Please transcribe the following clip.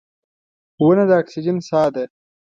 • ونه د اکسیجن ساه ده.